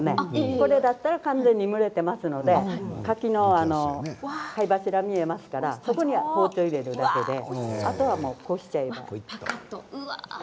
これだったら完全に蒸れていますのでかきの貝柱が見えますからそこに包丁を入れるだけであとはこうしちゃえば。